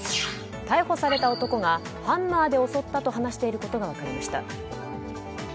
逮捕された男はハンマーで襲ったと話していることが分かりました。